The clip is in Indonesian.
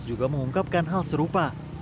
juga mengungkapkan hal serupa